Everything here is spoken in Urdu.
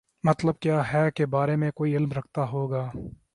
مطلب کیا کے بارے میں کوئی علم رکھتا ہو گا